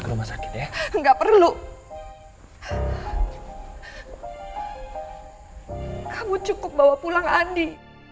kamu cukup bawa pulang andi